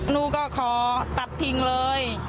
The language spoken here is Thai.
หนูก็ขอตัดทิ้งเลย